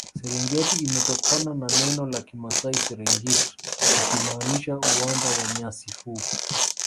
serengeti imetokana na neno la kimasai serengit likimaanisha uwanda wa nyasi fupi